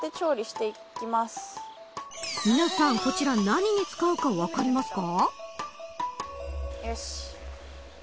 皆さん、こちら何に使うか分かりますか。